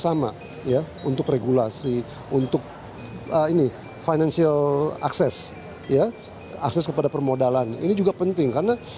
sama ya untuk regulasi untuk ini financial access ya akses kepada permodalan ini juga penting karena